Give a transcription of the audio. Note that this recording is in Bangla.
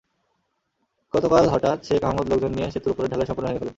গতকাল হঠাৎ শেখ আহমেদ লোকজন নিয়ে সেতুর ওপরের ঢালাই সম্পূর্ণ ভেঙে ফেলেন।